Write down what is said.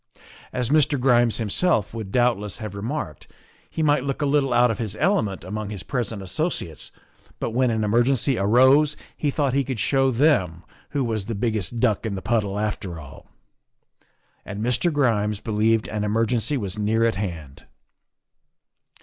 As Mr. Grimes himself would doubtless have remarked, he might look a little out of his element among his present associates, but when an emergency arose he thought he could show them who was the biggest duck in the puddle after all. And Mr. Grimes believed an emergency was near at hand.